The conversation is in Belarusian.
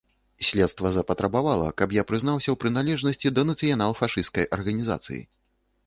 Следства запатрабавала, каб я прызнаўся ў прыналежнасці да нацыянал-фашысцкай арганізацыі.